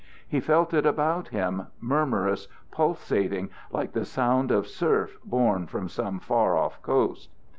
He felt it about him, murmurous, pulsating, like the sound of surf borne from some far off coast.